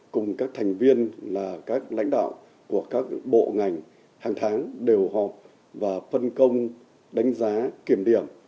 cùng các thành viên là các lãnh đạo của các bộ ngành hàng tháng đều họp và phân công đánh giá kiểm điểm